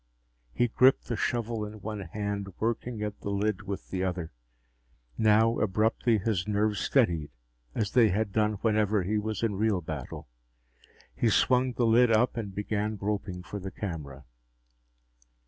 He gripped the shovel in one hand, working at the lid with the other. Now, abruptly, his nerves steadied, as they had done whenever he was in real battle. He swung the lid up and began groping for the camera.